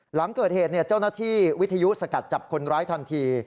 หลังเกิดเหตุเจ้าหน้าที่วิทยุสกัดจับคนร้ายทันที